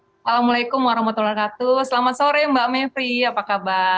assalamualaikum warahmatullahi wabarakatuh selamat sore mbak mepri apa kabar